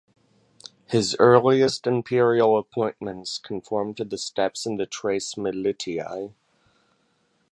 His earliest imperial appointments conform to the steps in the "tres militiae".